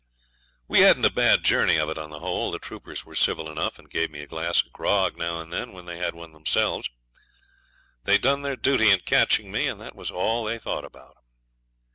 We hadn't a bad journey of it on the whole. The troopers were civil enough, and gave me a glass of grog now and then when they had one themselves. They'd done their duty in catching me, and that was all they thought about.